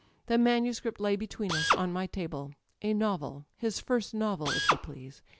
The manuscript lay between us}, bn my table â€" a novel, his first novel, if you please!